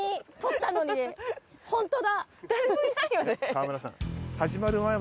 川村さん。